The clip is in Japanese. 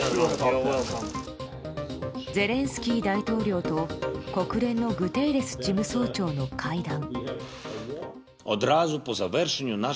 ゼレンスキー大統領と国連のグテーレス事務総長の会談。